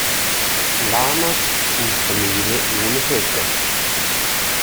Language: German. Lamas sind Kamele ohne Höcker.